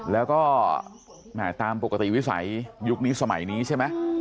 แล้วก็แหมตามปกติวิสัยยุคนี้สมัยนี้ใช่ไหม